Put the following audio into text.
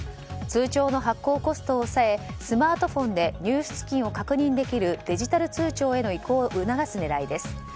通帳の発行コストを抑えスマートフォンで入出金を確認できるデジタル通帳への移行を促す狙いです。